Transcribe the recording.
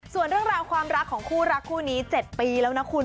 ส่วนเรื่องราวความรักของคู่รักคู่นี้๗ปีแล้วนะคุณ